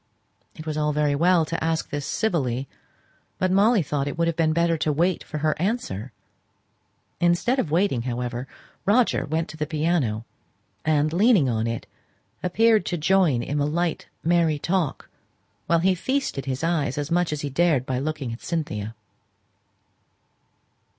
It was all very well to ask this civilly, but Molly thought it would have been better to wait for her answer. Instead of waiting, however, Roger went to the piano, and, leaning on it, appeared to join in the light merry talk, while he feasted his eyes as much as he dared by looking at Cynthia.